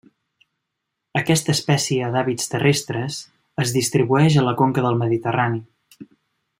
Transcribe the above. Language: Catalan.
Aquesta espècie d'hàbits terrestres es distribueix a la conca del Mediterrani.